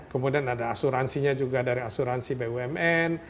kemudian ada asuransinya juga dari asuransi bumn